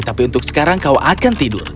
tapi untuk sekarang kau akan tidur